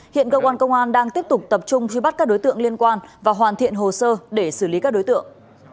hiện cơ quan công an đang tiếp tục tập trung truy bắt các đối tượng liên quan và hoàn thiện hồ sơ để xử lý các đối tượng